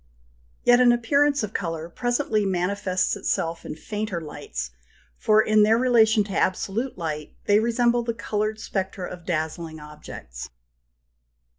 Yet an appearance of colour presently manifests itself in fainter lights, for in their relation to absolute light they resemble the coloured spectra of dazzling objects (39).